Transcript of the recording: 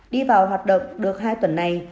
đi vào hoạt động được hai tuần này